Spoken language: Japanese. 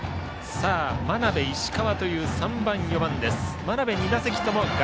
眞邉、石川という３番、４番です。